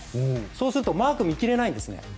そうするとマークを見切れないんです。